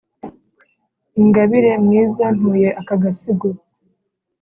Ingabire mwiza ntuye aka gasigo.